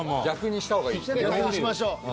逆にしましょう。